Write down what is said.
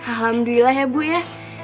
alhamdulillah ya bu ya